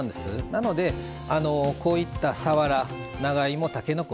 なのでこういったさわら長芋たけのこ